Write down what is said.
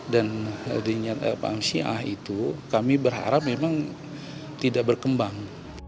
dan di syiah itu kami berharap memang tidak berkembang